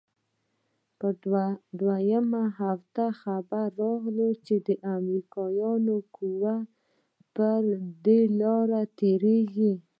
پر دويمه هفته خبر راغى چې امريکايانو قواوې پر دې لاره تېريږي.